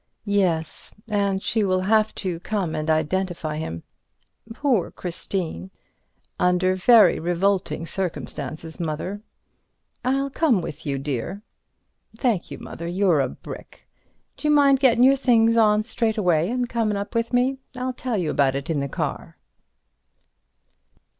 "Yes; and she will have to come and identify him." "Poor Christine." "Under very revolting circumstances, Mother." "I'll come with you, dear." "Thank you, Mother, you're a brick. D'you mind gettin' your things on straight away and comin' up with me? I'll tell you about it in the car."